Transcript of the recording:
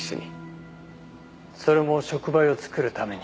それも触媒を作るために。